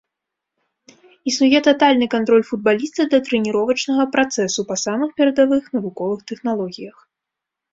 Існуе татальны кантроль футбаліста да трэніровачнага працэсу па самых перадавых навуковых тэхналогіях.